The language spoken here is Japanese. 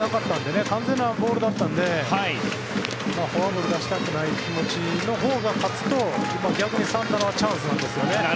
際どくなかったので完全なボールだったのでフォアボール出したくない気持ちのほうが勝つと今、逆にサンタナはチャンスなんですよね。